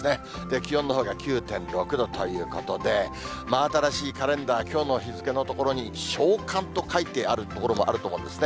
気温のほうが９．６度ということで、真新しいカレンダー、きょうの日付の所に小寒と書いてあるところもあると思うんですね。